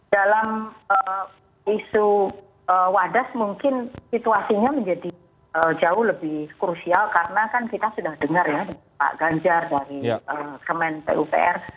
dalam isu wadas mungkin situasinya menjadi jauh lebih krusial karena kan kita sudah dengar ya pak ganjar dari kemen pupr